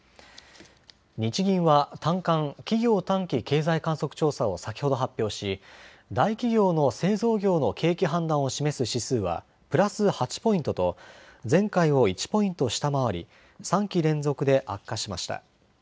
日銀は短観・企業短期経済観測調査を先ほど発表し大企業の製造業の景気判断を示す指数はプラス８ポイントと前回を１ポイント下回り３期連続で悪化しました。